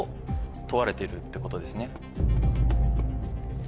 問われてるってことですね。